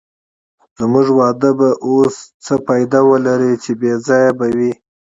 زموږ واده به اوس څه فایده ولرې، بې ځایه به وي.